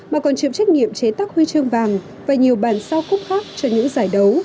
mà còn chịu trách nhiệm chế tắc huy chương vàng và nhiều bản sao cúp khác cho những giải đấu